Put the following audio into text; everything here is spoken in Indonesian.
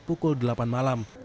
pukul delapan malam